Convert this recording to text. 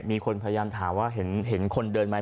มีคนพยายามถามว่าเห็นคนเดินไหม